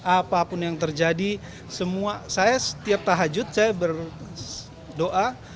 apapun yang terjadi semua saya setiap tahajud saya berdoa